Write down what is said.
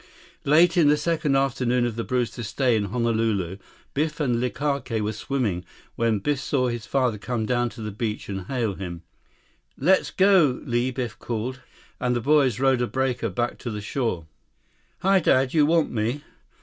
36 Late in the second afternoon of the Brewsters' stay in Honolulu, Biff and Likake were swimming when Biff saw his father come down to the beach and hail him. "Let's go, Li!" Biff called, and the boys rode a breaker back to the shore. "Hi, Dad. You want me?"